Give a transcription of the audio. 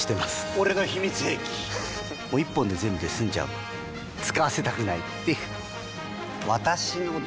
俺の秘密兵器１本で全部済んじゃう使わせたくないっていう私のです！